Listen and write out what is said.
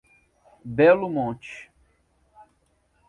Belo Monte